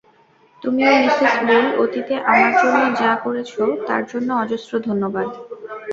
তুমি ও Mrs Bull অতীতে আমার জন্য যা করেছ, তার জন্য অজস্র ধন্যবাদ।